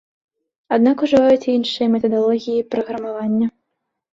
Аднак ужываюць і іншыя метадалогіі праграмавання.